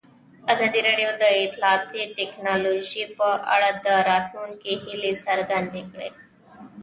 ازادي راډیو د اطلاعاتی تکنالوژي په اړه د راتلونکي هیلې څرګندې کړې.